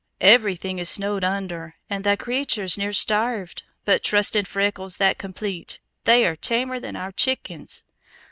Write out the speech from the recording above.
Everything is snowed under and thae craturs near starved, but trustin' Freckles that complete they are tamer than our chickens.